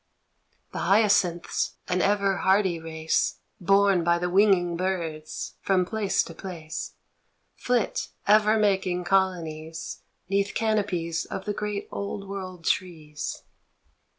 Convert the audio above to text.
The hyacinths, an ever hardy race, Borne by the winging birds from place to place, Flit, ever making colonies 'Neath canopies of the great old world trees.